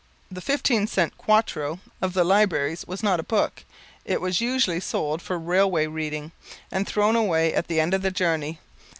The "fifteen cent quarto" of the Libraries was not a book; it was usually sold for railway reading, and thrown away at the end of the journey.